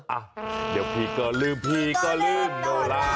อ่ะเดี๋ยวพี่ก็ลืมพี่ก็ลืมโนลา